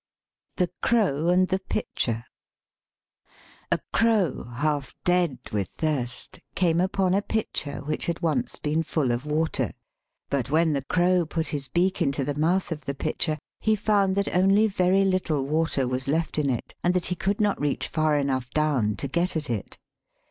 THE CROW AND THE PITCHER A crow, half dead with thirst, came upon a pitcher which had once been full of water; but when the crow put his beak into the mouth of the pitcher he found that only very little water was left in it, and that he could not reach far enough down to get at it.